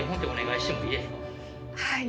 はい。